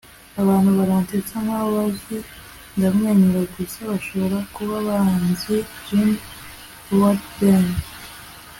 abantu baransetsa nkaho banzi. ndamwenyura gusa. bashobora kuba banzi. - jim broadbent